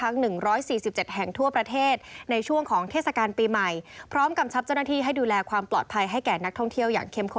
และกับชำเนวเชียร์ใจให้ดูแลความปลอดภัยให้แก่นักท่องเที่ยว